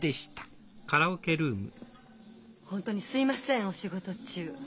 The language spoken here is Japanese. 本当にすみませんお仕事中。